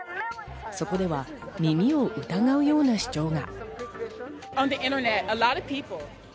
そこでは耳を疑うような主張が。